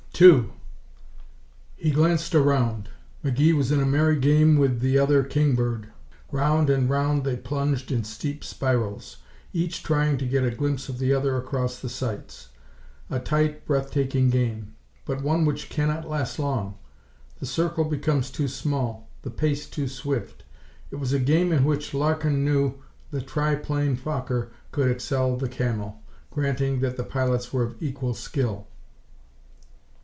Two! He glanced around. McGee was in a merry game with the other kingbird. Round and round they plunged in steep spirals, each trying to get a glimpse of the other across the sights. A tight, breath taking game, but one which cannot last long. The circle becomes too small, the pace too swift. It was a game in which, Larkin knew, the tri plane Fokker could excel the Camel, granting that the pilots were of equal skill.